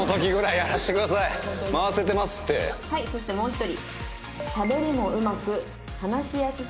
「はいそしてもう１人」